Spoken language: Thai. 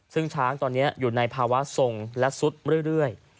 ซึ่งช้างตอนนี้อยู่ในภาวะทรงและซุดเรื่อย